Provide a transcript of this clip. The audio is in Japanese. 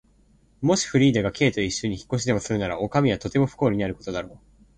もしフリーダが Ｋ といっしょに引っ越しでもするなら、おかみはとても不幸になることだろう。